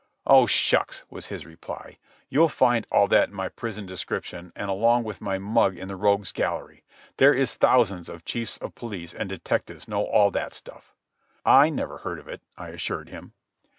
"Oh, shucks," was his reply. "You'll find all that in my prison description and along with my mug in the rogues' gallery. They is thousands of chiefs of police and detectives know all that stuff." "I never heard of it," I assured him.